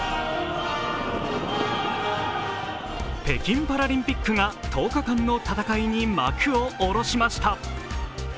北京パラリンピックが１０日間の戦いに幕を下ろしました。